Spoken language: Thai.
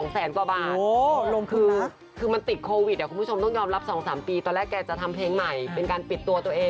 แสนกว่าบาทคือมันติดโควิดคุณผู้ชมต้องยอมรับ๒๓ปีตอนแรกแกจะทำเพลงใหม่เป็นการปิดตัวตัวเอง